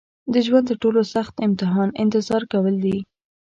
د ژوند تر ټولو سخت امتحان انتظار کول دي.